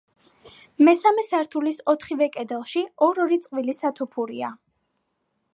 მესამე სართულის ოთხივე კედელში ორ-ორი წყვილი სათოფურია.